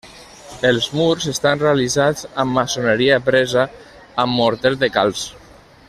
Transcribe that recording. Els murs estan realitzats amb maçoneria presa amb morter de calç.